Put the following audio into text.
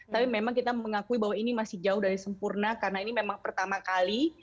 tapi memang kita mengakui bahwa ini masih jauh dari sempurna karena ini memang pertama kali